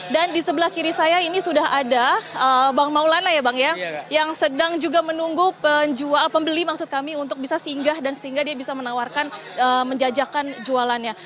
dan di sebelah kiri saya ini sudah ada bang maulana ya bang ya yang sedang juga menunggu pembeli untuk bisa singgah dan sehingga dia bisa menawarkan menjajakan jualannya